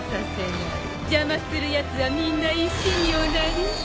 邪魔するやつはみんな石におなり。